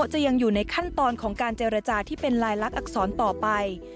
จะยังอยู่ในขั้นตอนของการเจรจาที่เป็นลายลักษณอักษรต่อไป